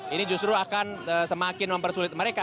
ini justru akan semakin mempersulit mereka